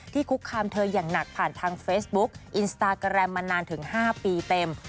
คุกคามเธออย่างหนักผ่านทางเฟซบุ๊กอินสตาแกรมมานานถึง๕ปีเต็ม